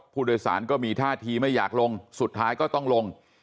ผู้โดยสารก็มีท่าทีไม่อยากลงสุดท้ายก็ต้องลง